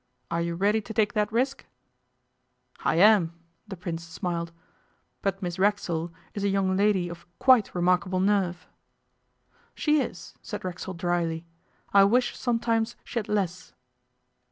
Are you ready to take that risk?' 'I am,' the Prince smiled. 'But Miss Racksole is a young lady of quite remarkable nerve.' 'She is,' said Racksole drily. 'I wish sometimes she had less.